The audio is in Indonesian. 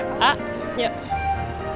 terima kasih papa